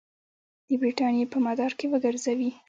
د برټانیې په مدار کې وګرځوي.